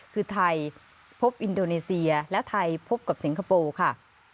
คือไทยพบอินโดนีเซียและไทยพบกับสิงคโปร์ค่ะ